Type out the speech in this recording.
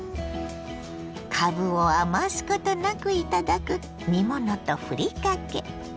かぶを余すことなくいただく煮物とふりかけ。